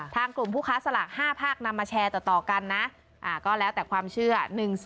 ทางกลุ่มผู้ค้าสลาก๕ภาคนำมาแชร์ต่อกันนะก็แล้วแต่ความเชื่อ